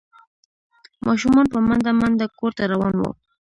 ماشومان په منډه منډه کور ته روان وو۔